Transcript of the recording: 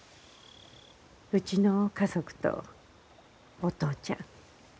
うちの家族とお父ちゃん。